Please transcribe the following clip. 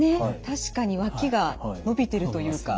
確かに脇が伸びてるというか。